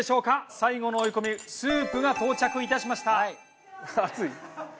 最後の追い込みスープが到着いたしました。